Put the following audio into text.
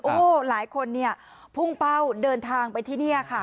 โอ้โหหลายคนเนี่ยพุ่งเป้าเดินทางไปที่นี่ค่ะ